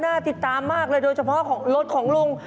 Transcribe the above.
ติดตามมากเลยโดยเฉพาะของรถของลุง